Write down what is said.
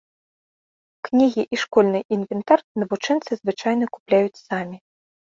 Кнігі і школьны інвентар навучэнцы звычайна купляюць самі.